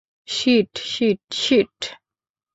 Sheet, shit, shit, sheet.